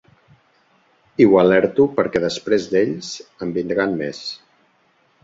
I ho alerto perquè després d’ells, en vindran més.